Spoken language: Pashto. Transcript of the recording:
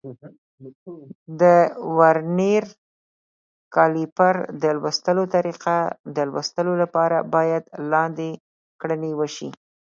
د ورنیر کالیپر د لوستلو طریقه: د لوستلو لپاره باید لاندې کړنې وشي.